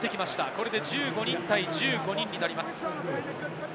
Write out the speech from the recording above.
これで１５人対１５人になります。